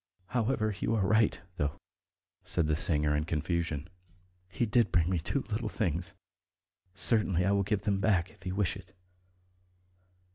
However, you are right, though," said the singer in confusion, "he did bring me two little things. Certainly I will give them back, if you wish it."